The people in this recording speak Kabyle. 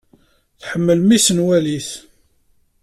Tḥemmel mmi-s n wali-s.